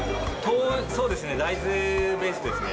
そうですね、大豆ベースですね。